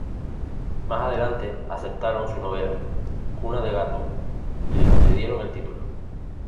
Más adelante aceptaron su novela, "Cuna de gato", y le concedieron el título.